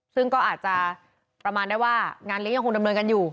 ซึ่งก็อาจจะประมาณได้ว่างานเลี้ยยังคงดำเนินกันอยู่